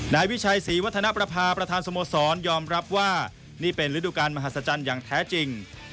นายวิชัยศรีวัฒนประพาประธานสโมสรยอมรับว่านี่เป็นฤดูการมหัศจรรย์อย่างแท้จริง